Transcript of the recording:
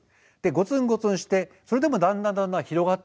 ゴツンゴツンしてそれでもだんだんだんだん広がっていくんだ。